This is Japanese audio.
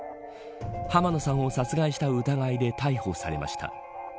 濱野さんを殺害した疑いで逮捕されました。